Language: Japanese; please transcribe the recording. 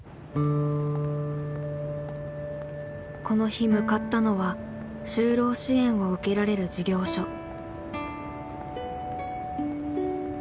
この日向かったのは就労支援を受けられる事業所。